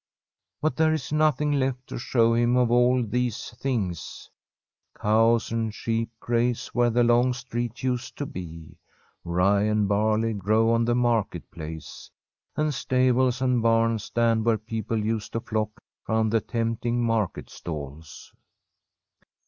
But there is nothing left to show him of all these things. Cows and sheep graze where the long street used to be. Rye and barley grow on the Market Place, and stables and barns stand where people used to flock round the tempting market stalls.